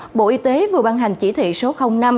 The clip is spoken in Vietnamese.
trên hình đó bộ y tế vừa ban hành chỉ thị số năm trên ctbit